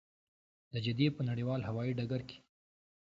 د جدې په نړیوال هوايي ډګر کې.